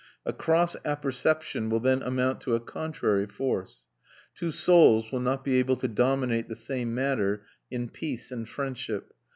A cross apperception will then amount to a contrary force. Two souls will not be able to dominate the same matter in peace and friendship.